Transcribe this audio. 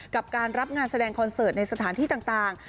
กับการรับงานแสดงคอนเสิร์ตในสถานที่ต่าง